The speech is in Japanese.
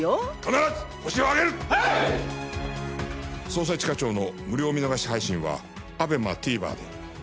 『捜査一課長』の無料見逃し配信はＡＢＥＭＡＴＶｅｒで。